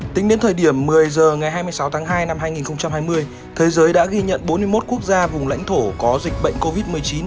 tính đến thời điểm một mươi h ngày hai mươi sáu tháng hai năm hai nghìn hai mươi thế giới đã ghi nhận bốn mươi một quốc gia vùng lãnh thổ có dịch bệnh covid một mươi chín